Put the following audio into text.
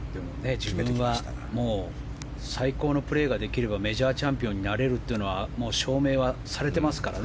自分が最高のプレーができればメジャーチャンピオンになれるっていうのは証明はされていますからね